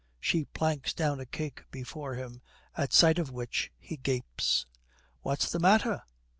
She planks down a cake before him, at sight of which he gapes. 'What's the matter?